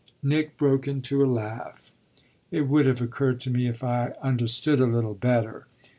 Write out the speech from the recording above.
Nick broke into a laugh. "It would have occurred to me if I understood a little better